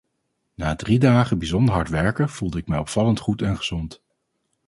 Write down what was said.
Na drie dagen bijzonder hard werken voelde ik mij opvallend goed en gezond.